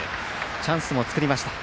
チャンスも作りました。